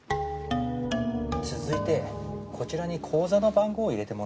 続いてこちらに口座の番号を入れてもらっても？